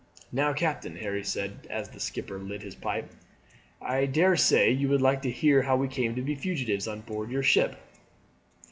"Now, captain," Harry said as the skipper lit his pipe, "I daresay you would like to hear how we came to be fugitives on board your ship."